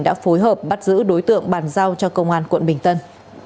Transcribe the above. đã phối hợp bắt giữ đối tượng bàn giao cho công an quận bình tân